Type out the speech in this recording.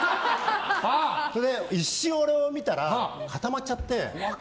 それで一瞬俺を見たら固まっちゃって。